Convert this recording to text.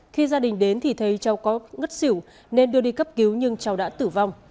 khi gia đình đến thì thấy cháu có ngất xỉu nên đưa đi cấp cứu nhưng cháu đã tử vong